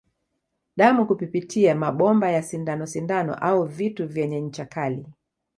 Damu kupipitia mabomba ya sindano sindano au vitu vyenye ncha kali